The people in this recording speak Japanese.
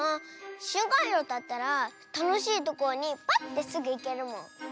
しゅんかんいどうだったらたのしいところにパッてすぐいけるもん。